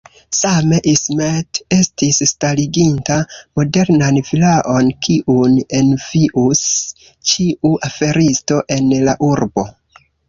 Same, Ismet estis stariginta modernan vilaon, kiun envius ĉiu aferisto en la urbo.